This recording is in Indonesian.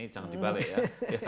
jangan dibalik ya